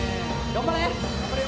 頑張れ！